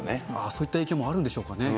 そういった影響もあるんでしょうかね。